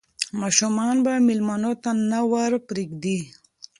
ماشومان به مېلمنو ته نه ور پرېږدي.